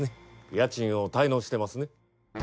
家賃を滞納してますね？